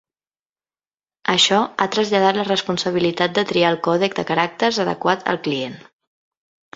Això ha traslladat la responsabilitat de triar el còdec de caràcters adequat al client.